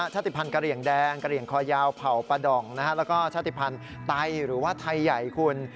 ชาติภัณฑ์กะเหลี่ยงแดงกระเหลี่ยงคอยาวเผ่าปลาด่องแล้วก็ชาติภัณฑ์ไตหรือว่าไทยใหญ่คุณ